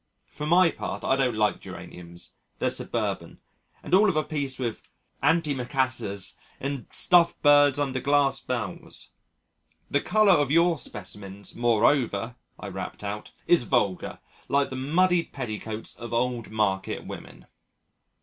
For my part, I don't like geraniums: they're suburban, and all of a piece with antimacassars and stuffed birds under glass bells. The colour of your specimens, moreover," I rapped out, "is vulgar like the muddied petticoats of old market women."